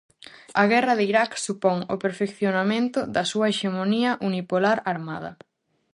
A guerra de Iraq supón o perfeccionamento da súa hexemonía unipolar armada.